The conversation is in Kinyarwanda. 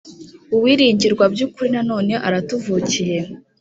uwiringirwa byukuri none aratuvukiye.